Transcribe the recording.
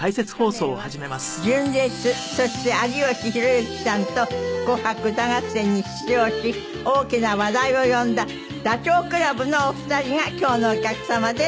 去年は純烈そして有吉弘行さんと『紅白歌合戦』に出場し大きな話題を呼んだダチョウ倶楽部のお二人が今日のお客様です。